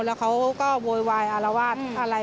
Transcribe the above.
แล้วเขาก็โวยวายอารวาสอะไร